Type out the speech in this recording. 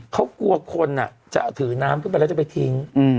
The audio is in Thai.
เขากลัวคนจะถือน้ำขึ้นไปแล้วจะไปทิ้ง